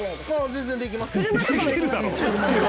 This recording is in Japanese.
全然できますよ。